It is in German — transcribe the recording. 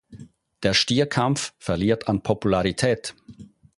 Der Stierkampf verliert an Popularität.